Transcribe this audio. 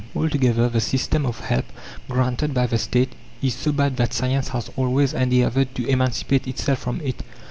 Altogether, the system of help granted by the State is so bad that science has always endeavoured to emancipate itself from it.